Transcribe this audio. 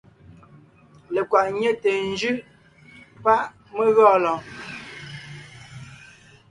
Lekwàʼ ńnyɛte jʉʼ páʼ mé gɔɔn lɔɔn.